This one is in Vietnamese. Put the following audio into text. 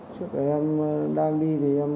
trước khi em đang đi